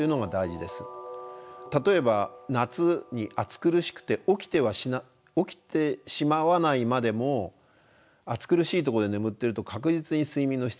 例えば夏に暑苦しくて起きてしまわないまでも暑苦しいとこで眠ってると確実に睡眠の質は悪くなってしまいますね。